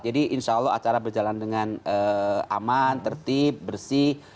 jadi insya allah acara berjalan dengan aman tertib bersih